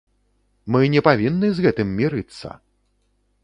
Мы не павінны з гэтым мірыцца!